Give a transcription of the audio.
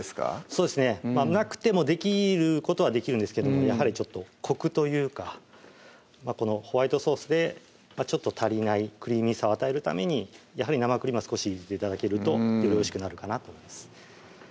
そうですねなくてもできることはできるんですけどもやはりちょっとコクというかこのホワイトソースで足りないクリーミーさを与えるためにやはり生クリームは少し入れて頂けるとよりおいしくなるかなと思います